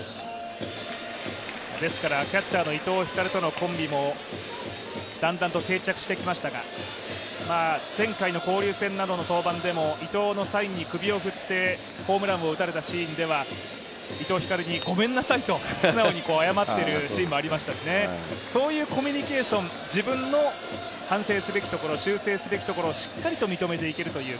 キャッチャーの伊藤光とのコンビも、だんだんと定着してきましたが、前回の交流戦での登板でも伊藤のサインに首を振ってホームランを打たれたシーンでは伊藤光にごめんなさいと素直に謝っているシーンもありましたしそういうコミュニケーション、自分の反省すべきところ、修正すべきところをしっかりと認めていけるという